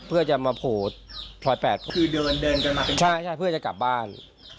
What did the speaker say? เพื่อจะมาโผล่พลอยแปดก็คือเดินเดินกันมาเป็นใช่ใช่เพื่อจะกลับบ้าน